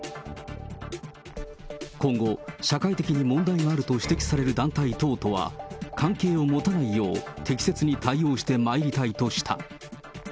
今後、社会的に問題があると指摘される団体等とは、関係を持たないよう適切に対応してまいりたいとした。